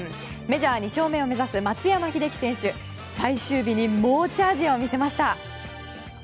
メジャー２勝目を目指す松山英樹選手最終日に猛チャージを見せました。